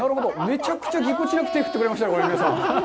めちゃくちゃぎこちなく手を振ってくれましたよ。